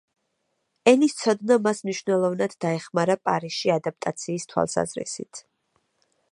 ენის ცოდნა მას მნიშვნელოვნად დაეხმარა პარიზში ადაპტაციის თვალსაზრისით.